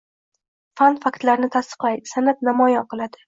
Fan — faktlarni tasdiqlaydi, san’at namoyon qiladi.